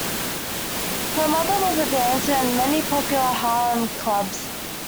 Her mother was a dancer in many popular Harlem clubs.